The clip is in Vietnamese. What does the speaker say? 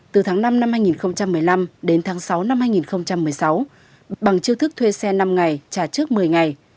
từ tháng năm năm hai nghìn một mươi năm đến tháng sáu năm hai nghìn một mươi sáu bằng chiêu thức thuê xe năm ngày trả trước một mươi ngày